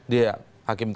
di hakim pn